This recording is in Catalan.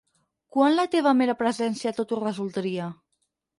Quan la teva mera presència tot ho resoldria?